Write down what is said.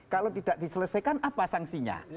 kalau tidak diselesaikan apa sanksinya